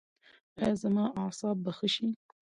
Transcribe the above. ایا زما اعصاب به ښه شي؟